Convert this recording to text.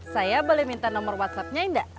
saya boleh minta nomor whatsappnya indah